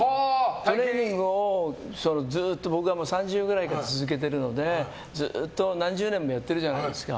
トレーニングをずっと僕は３０くらいから続けているのでずっと何十年もやってるじゃないですか。